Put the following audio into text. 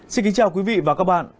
xin kính chào quý vị và các bạn